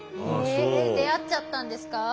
え出会っちゃったんですか？